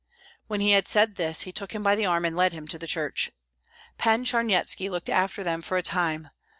When he had said this he took him by the arm and led him to the church. Pan Charnyetski looked after them for a time.